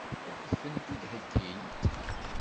Ad k-tent-id-heggint?